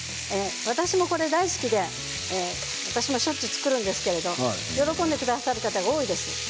私もこれ大好きで私もしょっちゅう作るんですけれど喜んでくださる方が多いです。